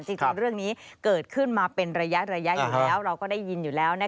ตอนนี้กำลังออกครับนี่ครับร่วมร้อมเต็มเลย